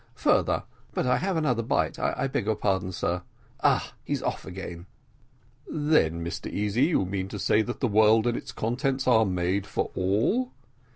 Further but I have another bite I beg your pardon, my dear sir. Ah! he's off again " "Then, Mr Easy, you mean to say that the world and its contents are made for all."